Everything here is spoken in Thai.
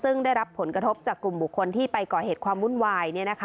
ซึ่งได้รับผลกระทบจากกลุ่มบุคคลที่ไปก่อเหตุความวุ่นวาย